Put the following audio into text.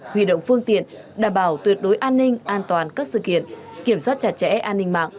huy động phương tiện đảm bảo tuyệt đối an ninh an toàn các sự kiện kiểm soát chặt chẽ an ninh mạng